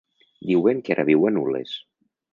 Diuen que ara viu a Nules.